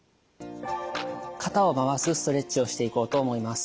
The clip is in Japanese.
肩を回すストレッチをしていこうと思います。